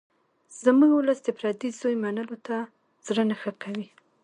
زموږ ولس د پردي زوی منلو ته زړه نه ښه کوي